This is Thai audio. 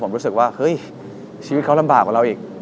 ผมรู้สึกว่าเฮ้ยชีวิตเขาลำบากกว่าเราอีก